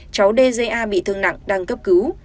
cháu dga bị thương nặng đang cấp cứu